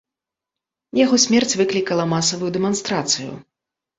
Яго смерць выклікала масавую дэманстрацыю.